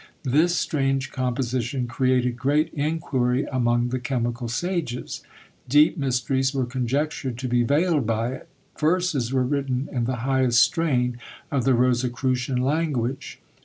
This strange composition created great inquiry among the chemical sages. Deep mysteries were conjectured to be veiled by it. Verses were written in the highest strain of the Rosicrucian language.